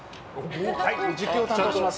実況担当します